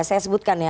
saya sebutkan ya